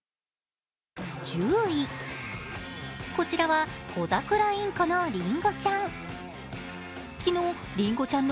１０位、こちらはコザクラインコのりんごちゃん。